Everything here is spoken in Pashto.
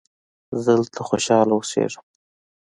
زه دلته خوشحاله اوسیږم.